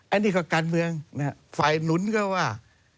อันนี้ก็การเมืองฝ่ายหนุนก็ว่า